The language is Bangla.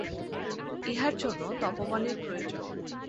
ইহার জন্য তপোবনের প্রয়োজন।